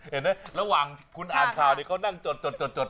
เห็นไหมระหว่างคุณอ่านข่าวนี้เขานั่งจด